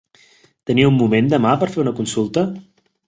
Teniu un moment demà per fer una consulta?